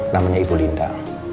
namanya ibu linda